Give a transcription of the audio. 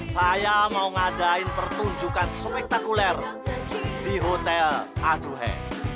saya mau ngadain pertunjukan spektakuler di hotel aduhe